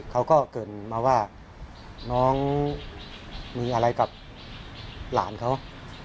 เขาก็เกิดมาว่าน้องมีอะไรกับหลานเขา